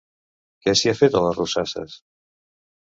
Què s'hi ha fet a les rosasses?